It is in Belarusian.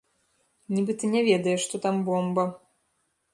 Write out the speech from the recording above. Нібыта не ведае, што там бомба.